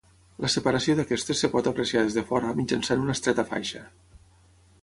La separació d'aquestes es pot apreciar des de fora mitjançant una estreta faixa.